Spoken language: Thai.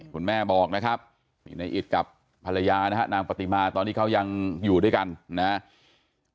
คุณแม่บอกนะครับนี่ในอิตกับภรรยานะฮะนางปฏิมาตอนนี้เขายังอยู่ด้วยกันนะครับ